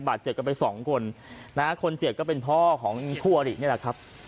เจ็บกันไปสองคนนะฮะคนเจ็บก็เป็นพ่อของคู่อรินี่แหละครับ